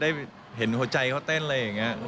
ได้เห็นหัวใจเขาเต้นอะไรอย่างนี้